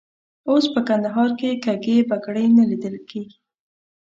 اوس په کندهار کې کږې بګړۍ نه لیدل کېږي.